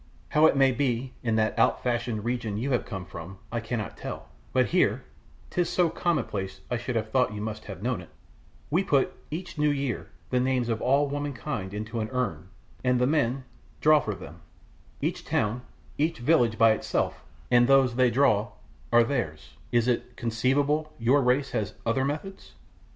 How it may be in that out fashioned region you have come from I cannot tell, but here 'tis so commonplace I should have thought you must have known it we put each new year the names of all womenkind into an urn and the men draw for them, each town, each village by itself, and those they draw are theirs; is it conceivable your race has other methods?"